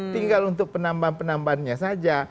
tinggal untuk penambahan penambahannya saja